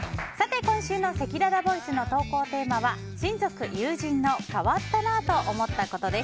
今週のせきららボイスの投稿テーマは親族・友人の変わったなぁと思ったことです。